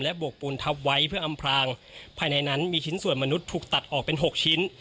บวกปูนทับไว้เพื่ออำพลางภายในนั้นมีชิ้นส่วนมนุษย์ถูกตัดออกเป็น๖ชิ้น